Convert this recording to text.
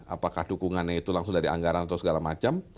apakah dukungannya itu langsung dari anggaran atau segala macam